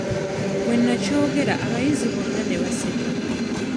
Bwe nnakyogera abayizi bonna ne baseka.